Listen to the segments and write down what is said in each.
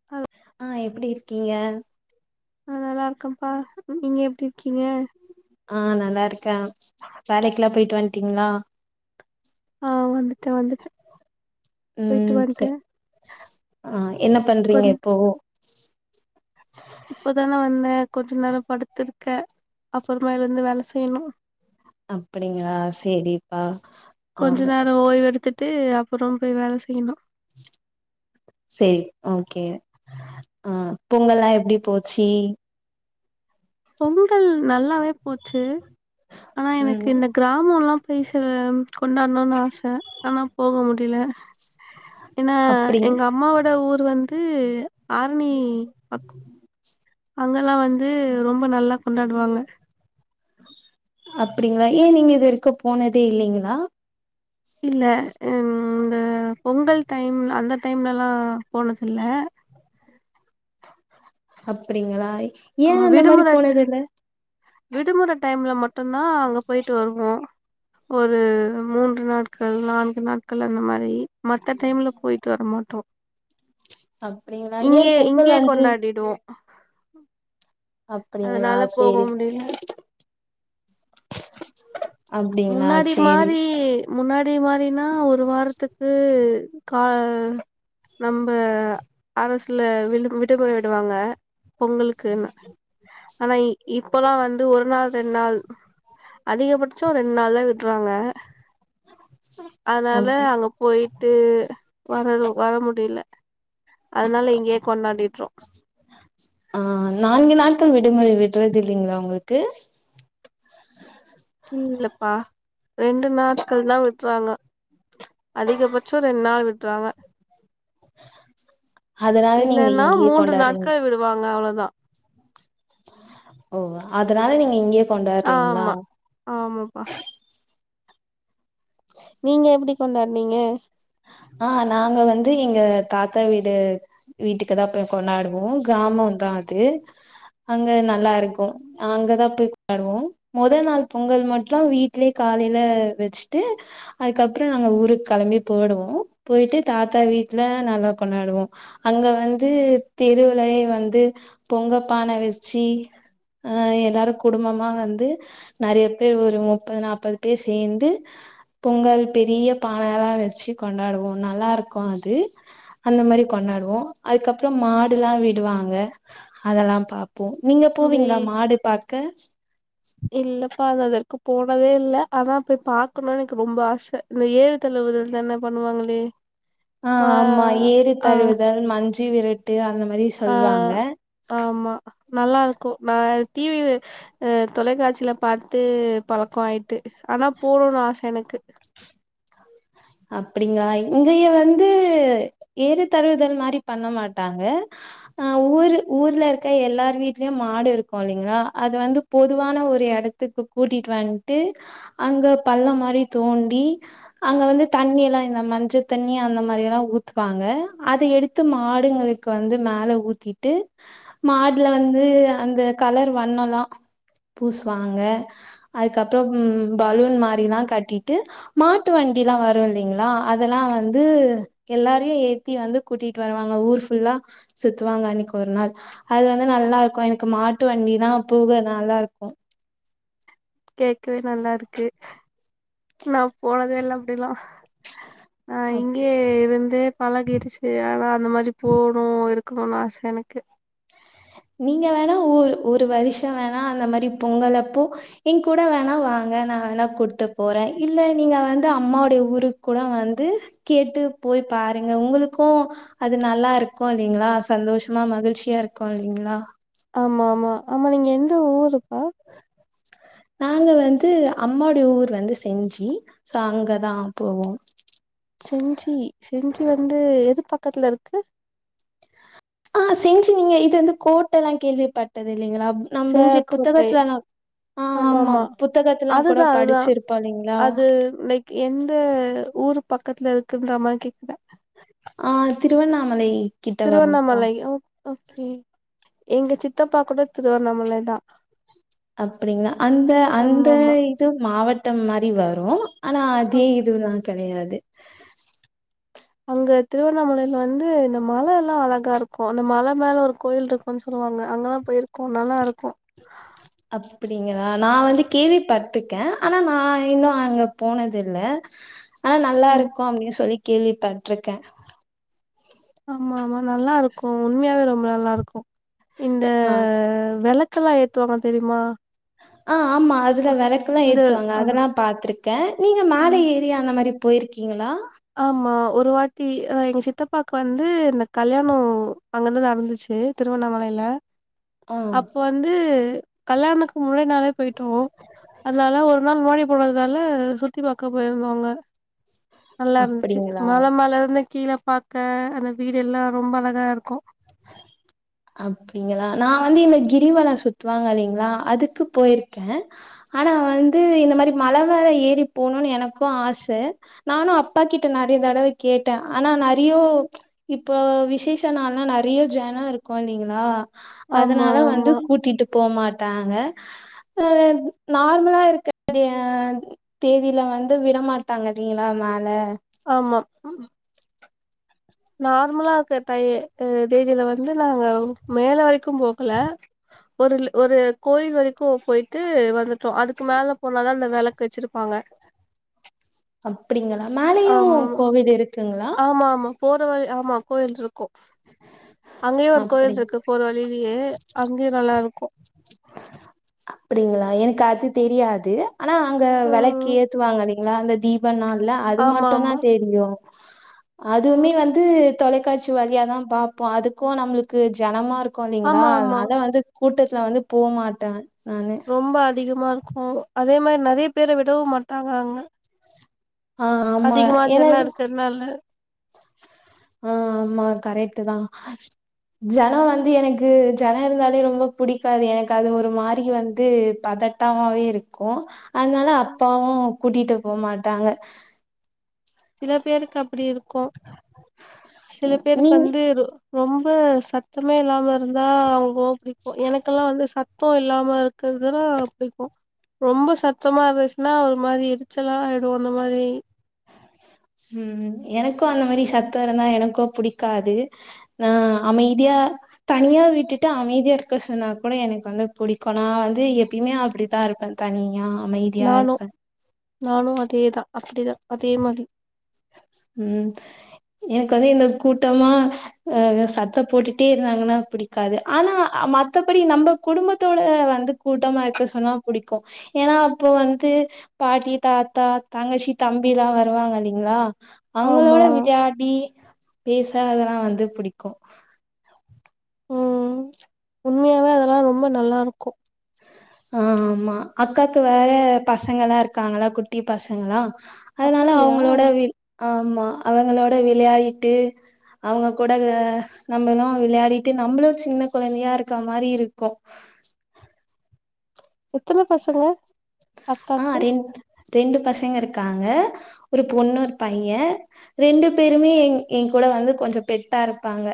[inaudible] ஆ எப்டி இருக்கீங்க ஆ நல்லா இருக்கப்பா நீங்க எப்டி இருக்கீங்க ஆ நல்லா இருக்கே வேலைக்கெலா போயிட்டு வந்ட்டீங்களா ஆ வந்துட்ட வந்துட்ட ம் சரி ஆ என்ன பண்றீங்க கொஞ் இப்போ இப்போதானே வந்தே கொஞ்ச நேரம் படுத்திருக்கெ அப்புறமா எழுந்து வேல செய்ணு அப்டிங்களா சேரிப்பா ஆ கொஞ்ச நேரோ ஓய்வு எடுத்துட்டு அப்றோ போயி வேல செய்ணு செரி ஓகே அ பொங்கல்லா எப்டி போச்சி பொங்கல் நல்லாவே போச்சு ஆனா எனக் ம் இந்த கிராம மல்லா [unintelligible] அ கொண்டாடணுனு ஆச ஆனா போக முடில ஏன்னா அப்டிங் எங்க அம்மாவோட ஊர் வந்து ஆர்ணி அங்கெல்லா வந்து ரொம்ப நல்லா கொண்டாடுவாங்க அப்டிங்களா ஏ நீங்க இது வரைக்கு போனதே இல்லைங்களா இல்ல இந்த பொங்கல் டைம் அந்த டைம்லல்லா போனதில்ல அப்டிங்களா ஏ ஆ அந்த மாரி விடுமுறை போனது இல்ல விடுமுற டைம்ல மட் டும்தா அங்க போயிட்டு வர்வோ ஒரு மூன்று நாட்கள் நான்கு நாட்கள் அந்த மாரி மத்த டைம்ல போயிட்டு வர மாட்டோ அப்டிங்களா ஏ இங்யே பொங்கல் இங்யே வந்து கொண்டாடிடுவோ அப்டிங்களா அதனால போக சேரி முடில அப்டிங்களா முன்னாடி சேரி மாரி முன்னாடி மாரினா ஒரு வாரத்துக்கு கா நம்ப ஆபீஸ்ல வி விடுமுறை விடுவாங்க பொங்கலுக்கு ஆனா இ இப்பல்லா வந்து ஒரு நாள் ரெண் நாள் அதிகப ட்சோ ரெண் நாள்ல விடறாங்க அதனால அப் அங்க போயி ட்டு வரது வர முடில அதனால இங்கேயே கொண்டாடிட்றோ ஆ நான்கு நாட்கள் விடுமுறை விட்றது இல்லைங்களா உங்ளுக்கு இல்லப்பா ரெண்டு நாட்கள் தான் விட்றாங்க அதிகபட்சம் ரெண்டு நாள் விட்றாங்க அதனால நீங்க இல்லன்னா இங்கேயே மூன்று கொண்டாடுறீங்க நாட்கள் விடுவாங்க அவ்ளவுதான் ஓ அதனால நீங்க இங்கே ஆமா ஆமாப்பா நீங்க எப்டி கொண்டாடினீங்க ஆ நாங்க வந்து எங்க தாத்தா வீடு வீட்டுக்கு தான் போய் கொண்டாடுவோம் கிராமம் தான் அது அங்க நல்லா இருக்கும் அங்கதான் போய் வருவோம் முதல் நாள் பொங்கல் மட்டும் வீட்லயே காலையில வச்சுட்டு அதுக்கப்புறம் நாங்க ஊருக்கு கெளம்பி போய்டுவோம் போயிட்டு தாத்தா வீட்ல நல்லா கொண்டாடுவோம் அங்க வந்து தெருவுலயே வந்து பொங்க பானை வச்சு அ எல்லாருக்கு குடும்பமா வந்து நெறய பேர் ஒரு முப்பது நாப்பது பேர் சேந்து பொங்கல் பெரிய பானல்லா வெச்சு கொண்டாடுவோ நல்லாயிருக்கு அது அந்தமாரி கொண்டாடுவோ அதுக்கப்றோ மாடுல்லா விடுவாங்க அதெல்லா பாப் போ நீங்க இங்க போவீங்ளா மாடு பாக்க இல்லப்பா இது வரைக்கு போனதே இல்ல ஆனா போய் பாக்கணு எனக்கு ரொம்போ ஆச இந்த ஏறு தழுவுதல் தானே பண்ணுவாங்ளே ஆ ஆமா ஏறு தழுவுதல் மஞ்சு விரட்டு அந்தமாரி ஆ சொல்வாங்க ஆமா நல்லாயிருக்கு நா டி வி அ தொலைக்காட்சியில பாத்து பழக்கோ ஆயிட்டு ஆனா போணுன் ஆச எனக்கு அப்டிங்களா இங்கய வந்து ஏறு தழுவுதல் மாரி பண்ண மாட்டாங்க அ ஊர் ஊர்லயிருக்க எல்லார் வீட்லயு மாடு இருக்கு இல்லைங்களா அது வந்து பொதுவான ஒரு எடத்துக்கு கூட்டிட்டு வன்ட்டு அங்க பல்லோமாரி தோண்டி அங்க வந்து தண்ணியெல்லா இந்த மஞ்ச தண்ணி அந்த மாரியல்லா ஊத்துவாங்க அத எடுத்து மாடுங்களுக்கு வந்து மேல ஊத் திட்டு மாட்ல வந்து அந்த கலர் வண்ணோலா பூஸ்வாங்க அதுக்கப்றோ பலூன் மாரிலா கட்டிட்டு மாட்டு வண்டில்லா வரு யில்லைங்ளா அதெல்லா வந்து எல்லாரையு ஏத்தி வந்து கூட்டிட்டு வருவாங்க ஊர் ஃபுல்லா சுத்துவாங்க அன்னிக்கு ஒரு நாள் அது வந்து நல்லாயிருக்கு எனக்கு மாட்டு வண்டி நா போக நல்லாயிருக்கு கேக்வே நல்லாயிருக்கு நா போனதே இல்ல அப்டிலா ஆ அப் இங்கேயிருந்து பழகிடுச்சு ஆனா அந்தமாரி போணு இருக்கணு ஆச எனக்கு நீங்க வேணா ஒர் ஒரு வருஷோ வேணா அந்தமாரி பொங்கலப்போ எங்கூட வேணா வாங்க நா வேணா கூட்டுபோறே இல்ல நீங்க வந்து அம்மாவுடைய ஊருக்கு கூட வந்து கேட்டு போய் பாருங்க உங்களுக்கோ அது நல்லாயிருக்கு இல்லைங்ளா சந்தோஷமா மகிழ்ச்சியாயிருக்கு இல்லைங்ளா ஆமா ஆமா ஆமா நீங்க எந்த ஊருப்பா நாங்க வந்து அம்மாவுடைய ஊர் வந்து செஞ்சு சோ அங்கதா போவோ செஞ்சி செஞ்சி வந்து எது பக்கத்துலருக்கு ஆ செஞ்சு நீங்க இது வந்து கோர்ட் எல்லா கேள்விப்பட்டது இல்லைங்ளா நம்ப செஞ்சி கோட்டை புத்தகத்துலல்லா ஆ ஆமா புத்தகத்தலா கூடோ அதுதா அதுதா படிச்சுருப்போ இல்லைங்ளா அது லைக் எந்த ஊர் பக்கத்துல இருக்குன்ற மாரி கேக்றே ஆ திருவண்ணாமலை கிட்ட வரும்ப்பா திருவண்ணாமலை ஓ ஓகே எங்க சித்தப்பா கூட திருவண்ணாமலைதா அப்டிங்ளா அந்த அந்த ஆமா ஆமா இது மாவட்டம் மாரி வரூ ஆனா அதே இதுல்லா கெடையாது அங்க திருவண்ணாமலைல வந்து இந்த மலல்லா அழகாருக்கு அந்த மல மேல ஒரு கோயில்ருக் கு சொல்லுவாங்க அங்கல்லா பொயிருக்கோ நல்லாருக்கோ அப்டிங்ளா நா வந்து கேள்வி பட்டுருகே ஆனா நா இன்னு அங்க போனதில்ல ஆனா நல்லாருக்கு அப்டின் சொல்லி கேள்விப்பட்ருக்கே ஆமா ஆமா நல்லாருக்கு உண்மயாவே ரொம்ப நல்லாருக்கு இந்த ஆ விளக்கெல்லா ஏத்துவாங்க தெரிமா ஆ ஆமா அதுல வெளக்கெல்லா இந்த ஏத்துவாங்க அ அதெல்லா பாத்ருக்கே நீங்க மேல ஏ த்தி அந்தமாரி பொயிருக்கீங்களா ஆமா ஒரு வாட்டி அ எங்க சித்தப்பாக்கு வந்து இந்த கல்யாணோ அங்கதா நடந்துச்சு திருவண்ணாமலையில ஆ அப்ப வந்து கல்யாணத்துக்கு முன்னாடி நறைய போயிட்டோ அதனால ஒரு நாள் முன்னாடி போனதுனாலே சுத்தி பாக்க பொயிருந்தோ அங்க நல்லா இருந்துச்சு அப்டிங்களா மல மேலே இருந்து கீழே பாக்க அந்த வீடு எல்லா ரொம்ப அழகா இருக்கு அப்பிடிங்ளா நா வந்து இந்த கிரிவலோ சுத்துவாங்க இல்லைங்ளா அதுக்கு பொயிருக்கே ஆனா வந்து இந்த மாரி மழ மேலே ஏறி போண எனக்கு ஆச நானுஅப்பா கிட்ட நறைய தடவ கேட்டே ஆனா நறையோ இப்போ விசேஷ நாள்ல்லா நறைய ஜன இருக்கு இல்லைங்ளா ஆமா அதனால வந்து ஆமா கூட்டிட்டு போ மாட்டாங்க அ நார்மலா இருக்க [unintelligible] தேதியில வந்து விடமாட்டாங்க செரிங்ளா மேல ஆமா நார்மலா இருக்குற தை தேதியில வந்து நாங்க மேல வரைக்கு போகலே ஒரு ஒரு கோயில் வரைக்கு பொய்ட்டு வந்துட்டோ அதுக்கு மேல போனாதா அந்த வெளக்கு வச்சிருப்பாங்க அப்டிங்ளா மேலையு ஆமாமா கோவில் இருக்குங்ளா ஆமா ஆமா போற வழி ஆமா கோயில் இருக்கு அங்கேயு ஒரு அப்டி கோயில் இருக்கு போறே வழியிலயே அங்கயு நல்லா இருக்கு அப்டிங்களா எனக்கு அது தெரியாது ஆனா அங்க வெளக்கு ம் ஏத்துவாங்க இல்லைங்ளா அந்த தீப் ப்ப நாள்ள அது ஆமா மட்டுதா ஆமா தெரியு அதுமே ம் வந்து தொலைக்காட்சி வழியா தா பாப்போ அதுக்கு நம்ளுக்கு ஜனமா இருக்கு இல்லைங்ளா ஆமா ஆமா அதனால வந்து கூட்டத்ல வந்து போமாட்டே நானு ரொம்ப அதிகமா இருக்குமோ அதே மாரி நறைய பேர விடவு மாட்டாங்க அங்க ஆ ஆமா ஏனா நல்லே ஆ ஆமா கரெக்ட்டு தா ஜனோ வந்து எனக்கு ஜனம் இருந்தாலே ரொம்ப புடிக்காது எனக்கு அது ஒரு மாரி வந்து பதட் டமாவே இருக்கு அதுனால அப்பாவு கூட்டிட்டு போமாட்டாங்க சில பேருக்கு அப்டி இருக்கு சில பேருக்கு நீங்க வந்து ரொம்ப சத்தமே இல்லாம இருந்தா அவுங்ளுக்கு ரொம்ப புடிக்கு எனக்கெல்லா வந்து சத் சத்தோ இல்லாம இருக்கிறதுன்னா புடிக்கு ரொம்ப சத்தமா இருந்துச்சுன்னா ஒரு மாரி எரிச்சலா ஆயிடு அந்த மாரி ம் ம் எனக்கு அந்த மாரி சத்தோ இருந்தா எனக்கு புடிக்காது ஆ அமைதியா தனியா விட்டுட்டு அமைதியா இருக்க சொன்னா கூட எனக்கு வந்து புடிக்கு நா வந்து எப்பயுமே அப்படித்தா இருப்பே தனியா அமைதியா நானு இருப்பே நானு அதேதா அப்டிதா அதே மாதி ம் எனக்கு வந்து இந்த கூட்டமா அ அ சத்த போட்டுட்டே இருந்தாங்கன்னா பிடிக்காது ஆனா மத்தபடி நம்ம குடும்பத்தோட வந்து கூட்டமா இருக்க சொன்னா புடிக்கு ஏன்னா அப்போ வந்து பாட்டி தாத்தா தங்கச்சி தம்பில்லா வருவாங்க இல்லைங்களா அவங்களோட ஆமா விளையாடி பேச அதெல்லா வந்து புடிக்கு ம் உண்மையாவே அதெல்லா ரொம்ப நல்லா இருக்கு ஆ ஆமா அக்காக்கு வேற பசங்க எல்லா இருக்காங்களா குட்டி பசங்கல்லா அதனால அப்படியா அவங்களோட வி ஆமா அவங்களோட விளையாடிட்டு அவங்க கூட நம்மளு விளையாடிட்டு நம்மளு சின்ன குழந்தையா இருக்க மாரி இருக்கு எத்தன பசங்க அக் ஆ ரெண் ரெண்டு பசங்க இருக்காங்க ஒரு பொண்ணு ஒரு பையே ரெண்டு பேருமே என் என் கூட வந்து கொஞ்சோ பெட்டா இருப்பாங்க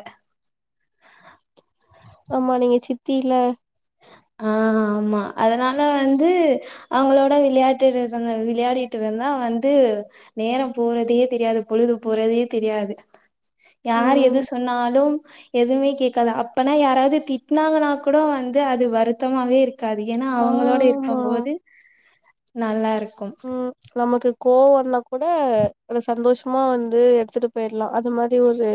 ஆமா நீங்க சித்தி இல்ல ஆ ஆமா அதனால வந்து அவங்களோட விளையாட்டுட்டு இருந்த விளையாடிட்டு இருந்தா வந்து நேரோ போறதையே தெரியாது பொழுது போறதையே தெரியாது யாரு ம் எது சொன்னாலு எதுவுமே கேட்காது அப்பனா யாராவது திட்னாங்கன்னா கூட வந்து து அது வருத்தமாவே இருக்காது ஏன்னா அவங்களோட ஆமா இருக்கம்போது நல்லா இருக்கும் ம் நமக்கு கோவம்ன்னா கூட ஒரு சந்தோஷமா வந்து எடுத்துட்டு போயிடலா அது மாரி ஒரு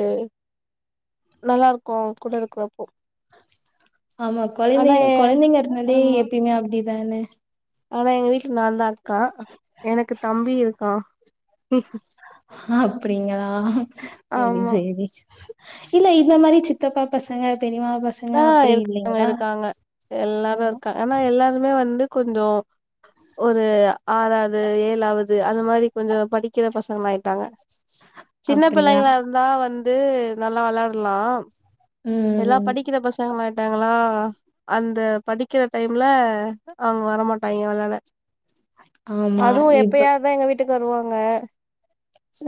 நல்லா இருக்கு அவங்கூட இருக்கிறப்போ ஆமா குழந்தை ஆனா ஏ குழந்தைங்க இருந்தாலே ஆமா எப்பயுமே அப்டிதான ஆனா எங்க வீட்டுல நா தா அக்கா எனக்கு தம்பி இருக்கான் ம் அப்டிங்களா செரி ஆமா செரி இல்ல இந்த மாதிரி சித்தப்பா பசங்க பெரியம்மா பசங்க ஆ அப்டி இருக்காங்க இல்லைங்களா இருக்காங்க எல்லாரும் இருக்கா ஆனா எல்லாருமே வந்து கொஞ்சோ ஒரு ஆறாவது ஏழாவது அந்த மாதிரி கொஞ்சோ படிக்கிற பசங்களா ஆயிட்டாங்க சின்ன அப்டியா பிள்ளைங்களா இருந்தா வந்து நல்லா விளையாடலா ம் எல்லா ம் படிக்கிற பசங்களாய்டாங்களா அந்த படிக்கிற டைம்ல அவங்க வரமாட்டாங்க விளாட ஆமா அதுவு இப்ப எப்பயாவது தா எங்க வீட்டு க்கு வருவாங்க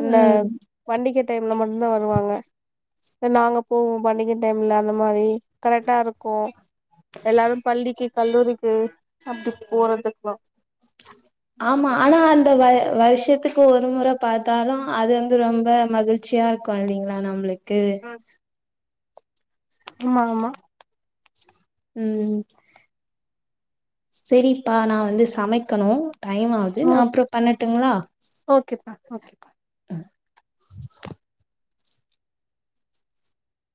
என்ன ம் பண்டிக டைம்ல மட்டு தா வருவாங்க இல்ல நாங்க போவோ பண்டிக டைமில அந்த மாரி கரெக்டா இருக்கு எல்லாரு பள்ளிக்கு கல்லூரிக்கு அப்டி போறதுக்கலா ஆமா ஆனா அந்த வ வருஷத்துக்கு ஒரு முறை பாத்தாலு அது வந்து ரொம்ப மகிழ்ச்சி சியா இருக்கோம் இல்லைங்ளா நம்ளுக்கு ஆ ஆமா ஆமா ம் செரிப்பா நா வந்து சமைக்கணோ டைம் ஆது ஓ நான் அப்புறோம் பண்ணட்டுங்களா ஓகேப்பா ஓகேப்பா